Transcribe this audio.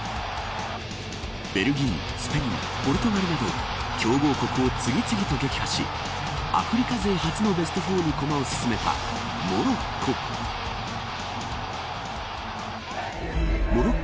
ベルギー、スペインポルトガルなど強豪国を次々と撃破しアフリカ勢初のベスト４に駒を進めたモロッコ。